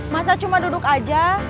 masa cuma duduk aja